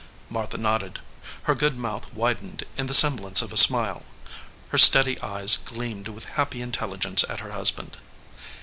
Martha nodded. Her good mouth widened in the semblance of a smile. Her steady eyes gleamed with happy intelligence at her husband.